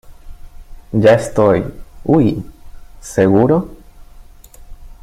ya estoy. ¡ uy! ¿ seguro?